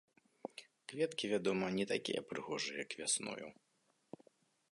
Кветкі, вядома, не такія прыгожыя як вясною.